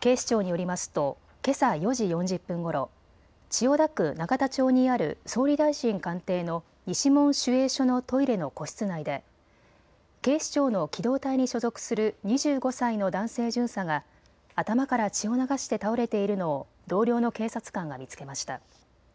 警視庁によりますとけさ４時４０分ごろ千代田区永田町にある総理大臣官邸の西門守衛所のトイレの個室内で警視庁の機動隊に所属する２５歳の男性巡査が頭から血を流して倒れているのを同僚の警察官が見つけました。